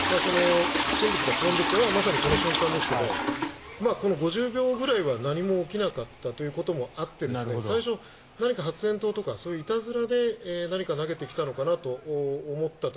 不審物が飛んできてまさにこの瞬間ですがこの５０秒くらいは何も起きなかったということもあって最初、何か発煙筒とかいたずらで何か投げてきたと思ったと。